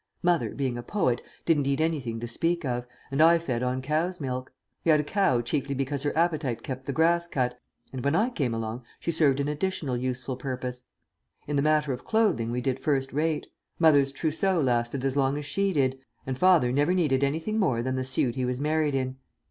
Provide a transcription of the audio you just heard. Mother, being a poet, didn't eat anything to speak of, and I fed on cow's milk. We had a cow chiefly because her appetite kept the grass cut, and when I came along she served an additional useful purpose. In the matter of clothing we did first rate. Mother's trousseau lasted as long as she did, and father never needed anything more than the suit he was married in.